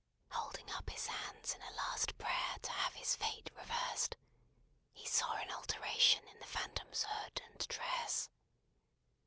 Holding up his hands in a last prayer to have his fate reversed, he saw an alteration in the Phantom's hood and dress.